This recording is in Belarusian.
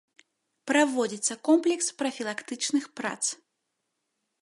Праводзіцца комплекс прафілактычных прац.